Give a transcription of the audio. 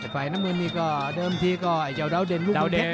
ไฟน้ำเงินนี่เดิมอีกหน่อย